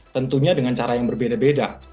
tentunya dengan cara yang berbeda beda